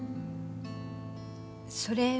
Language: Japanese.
それは。